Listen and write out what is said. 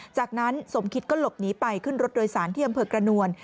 จากนั้นสมคิตก็หลบหนีไปขึ้นรถโดยสารที่อำเภอกระนวล